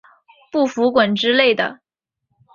不服滚之类的